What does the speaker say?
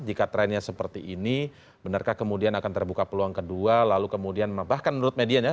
jika trennya seperti ini benarkah kemudian akan terbuka peluang kedua lalu kemudian bahkan menurut medianya